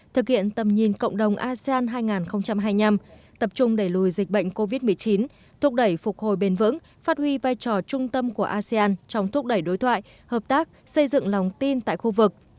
thực hiện tầm nhìn cộng đồng asean hai nghìn hai mươi năm tập trung đẩy lùi dịch bệnh covid một mươi chín thúc đẩy phục hồi bền vững phát huy vai trò trung tâm của asean trong thúc đẩy đối thoại hợp tác xây dựng lòng tin tại khu vực